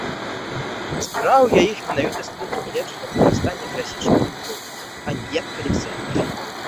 Збіраў я іх менавіта з пункту гледжання выкарыстання класічных гукаў, а не як калекцыянер.